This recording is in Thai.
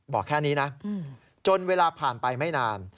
บอกแค่นี้นะจนเวลาผ่านไปไม่นาน